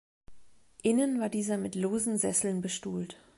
Innen war dieser mit losen Sesseln bestuhlt.